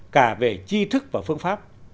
cả về trí thức và phương pháp